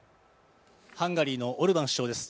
ハンガリーのオルバン首相です。